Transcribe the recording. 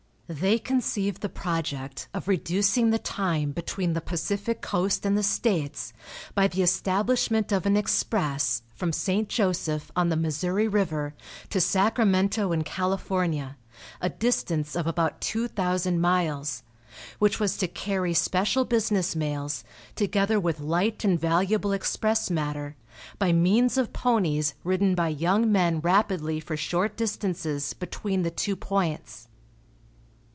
They conceived the project of reducing the time between the Pacific Coast and the States by the establishment of an express, from St. Joseph, on the Missouri river, to Sacramento in California, a distance of about two thousand miles, which was to carry special business mails, together with light and valuable express matter, by means of ponies, ridden by young men rapidly for short distances, between the two points.